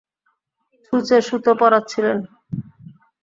ছুঁচে সুতো পরাচ্ছিলেন!